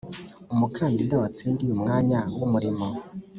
umukandida watsindiye umwanya w’umurimo